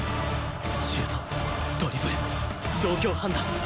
シュートドリブル状況判断戦術眼